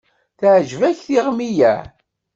Teɛǧeb-ak tiɣmi-ya?